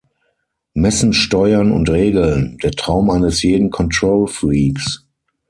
Messen, steuern und regeln, der Traum eines jeden Control Freaks.